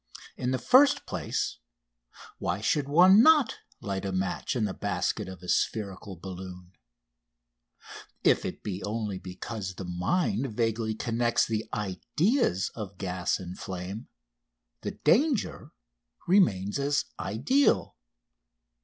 In the first place, why should one not light a match in the basket of a spherical balloon? If it be only because the mind vaguely connects the ideas of gas and flame the danger remains as ideal.